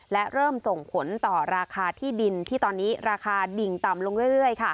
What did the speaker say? และเริ่มส่งผลต่อราคาที่ดินที่ตอนนี้ราคาดิ่งต่ำลงเรื่อย